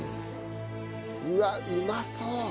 うわっうまそう！